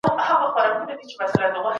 ما ږغ اورېدلی دی.